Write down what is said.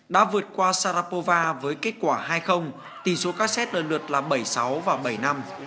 đã vượt qua sarapova với kết quả hai tỷ số các xét lần lượt là bảy sáu và bảy năm